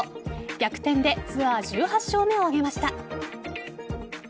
逆転でツアー１８勝目を挙げました。